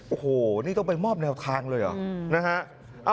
โอ้โหนี่ต้องไปมอบแนวทางเลยเหรอนะฮะ